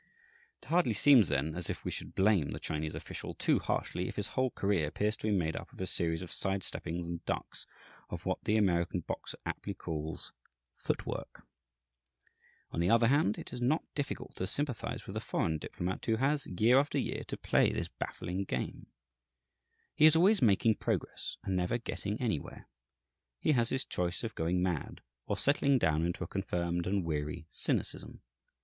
It hardly seems, then, as if we should blame the Chinese official too harshly if his whole career appears to be made up of a series of "side steppings" and "ducks" of what the American boxer aptly calls "foot work." On the other hand, it is not difficult to sympathize with the foreign diplomat who has, year after year, to play this baffling game. He is always making progress and never getting anywhere. He has his choice of going mad or settling down into a confirmed and weary cynicism.